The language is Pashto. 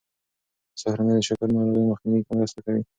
سهارنۍ د شکر ناروغۍ مخنیوی کې مرسته کوي.